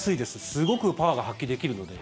すごくパワーが発揮できるので。